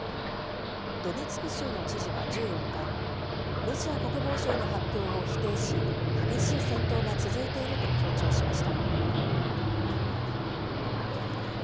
ドネツク州の知事は１４日、ロシア国防省の発表を否定し、激しい戦闘が続いていると強調しました。